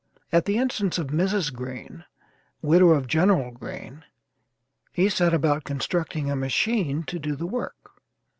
At the instance of Mrs. Greene, widow of General Greene, he set about constructing a machine to do the work.